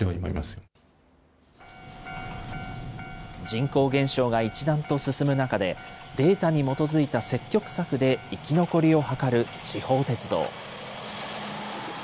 人口減少が一段と進む中で、データに基づいた積極策で生き残りを図る地方鉄道。